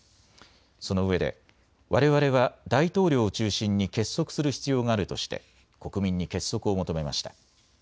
そのうえで、われわれは大統領を中心に結束する必要があるとして国民に結束を求めました。